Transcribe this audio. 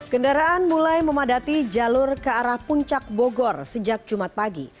kendaraan mulai memadati jalur ke arah puncak bogor sejak jumat pagi